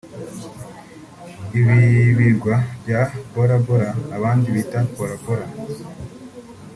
Ibi birwa bya Bora Bora abandi bita Pora Pora